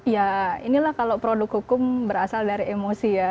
ya inilah kalau produk hukum berasal dari emosi ya